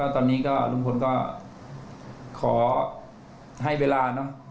ตอนนี้ก็ลุงพลก็ขอให้เวลาเนอะ